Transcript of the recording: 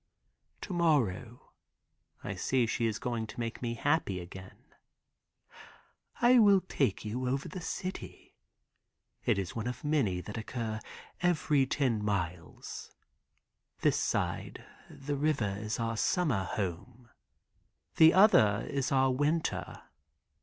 "To morrow," I see she is going to make me happy again, "I will take you over the city. It is one of many that occur every ten miles. This side the river is our summer home, the other is our winter."